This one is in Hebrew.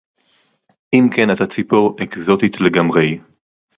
אם כן אתה ציפור אקזוטית לגמרי!